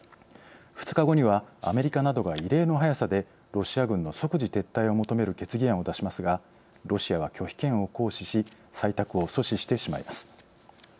２日後には、アメリカなどが異例の速さでロシア軍の即時撤退を求める決議案を出しますがロシアは拒否権を行使し採択を阻止してしまいます。